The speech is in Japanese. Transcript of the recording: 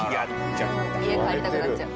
家帰りたくなっちゃう。